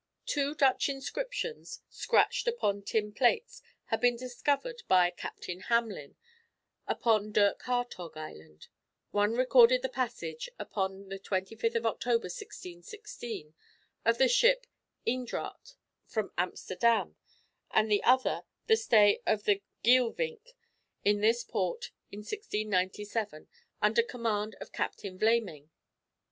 Two Dutch inscriptions, scratched upon tin plates, had been discovered by Captain Hamelin upon Dirk Hartog Island. One recorded the passage, upon the 25th of October, 1616, of the ship Eendraght, from Amsterdam; and the other, the stay of the Geelwinck in this port in 1697, under command of Captain Vlaming.